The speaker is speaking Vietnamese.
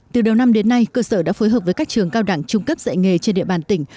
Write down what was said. từ đầu năm đến nay cơ sở đã phối hợp với các trường cao đẳng trung cấp dạy nghề trên địa bàn tỉnh